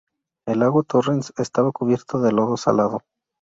El Lago Torrens estaba cubierto de lodo salado.